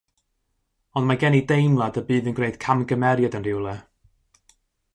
Ond mae gen i deimlad y bydd yn gwneud camgymeriad yn rhywle.